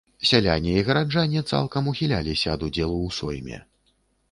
Сяляне і гараджане цалкам ухіляліся ад удзелу ў сойме.